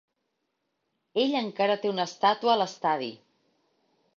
Ell encara té una estàtua a l'estadi.